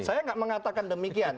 saya nggak mengatakan demikian